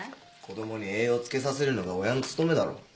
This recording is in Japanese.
子供に栄養つけさせるのが親の務めだろ。